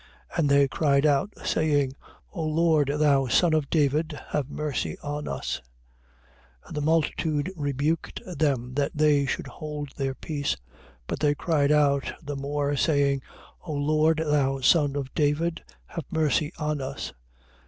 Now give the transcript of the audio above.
And they cried out, saying: O Lord, thou son of David, have mercy on us. 20:31. And the multitude rebuked them that they should hold their peace. But they cried out the more, saying: O Lord, thou son of David, have mercy on us.